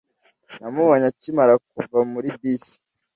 Namubonye akimara kuva muri bisi.